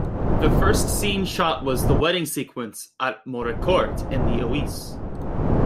The first scene shot was the wedding sequence at Maurecourt in the Oise.